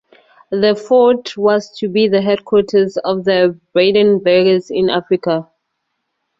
The fort was to be the headquarters of the Brandenburgers in Africa.